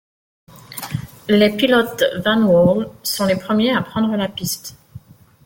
Les pilotes Vanwall sont les premiers à prendre la piste.